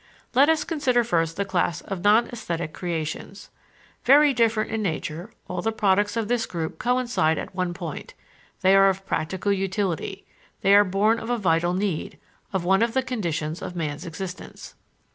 Let us consider first the class of non esthetic creations. Very different in nature, all the products of this group coincide at one point: they are of practical utility, they are born of a vital need, of one of the conditions of man's existence.